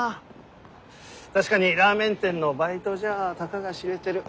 確かにラーメン店のバイトじゃたかが知れてる。